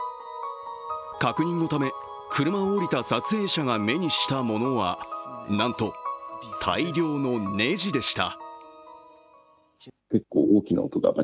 確認のため、車を降りた撮影者が目にしたものは、なんと大量のネジでした。